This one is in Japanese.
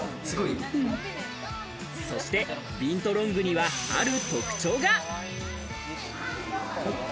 そしてビントロングにはある特徴が。